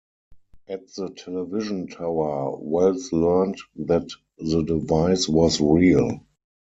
At the television tower, Wells learned that the device was real.